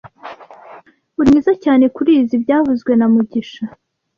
Uri mwiza cyane kurizoi byavuzwe na mugisha